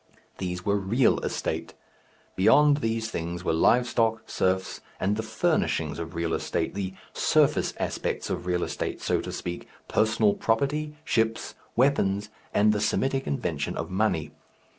These were "real" estate. Beyond these things were live stock, serfs, and the furnishings of real estate, the surface aspect of real estate, so to speak, personal property, ships, weapons, and the Semitic invention of money.